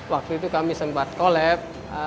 waktu itu kami sempat kolab